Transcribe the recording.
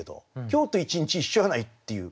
「今日」と「一日」一緒じゃないっていう。